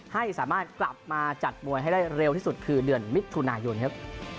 ให้สามารถกลับมาจัดมวยให้ได้เร็วที่สุดคือเดือนมิถุนายนครับ